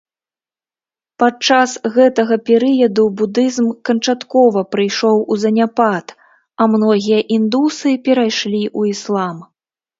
Падчас гэтага перыяду будызм канчаткова прыйшоў у заняпад, а многія індусы перайшлі ў іслам.